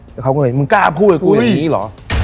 แล้วเขาก็เลยมึงกล้าพูดกับกูอย่างนี้เหรอ